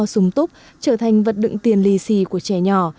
súng túc trở thành vật đựng tiền lì xì của trẻ nhỏ